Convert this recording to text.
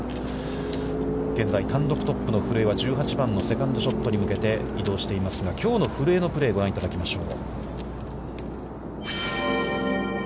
現在、単独トップの古江は、１８番のセカンドショットに向けて移動していますが、きょうの古江のプレーをご覧いただきましょう。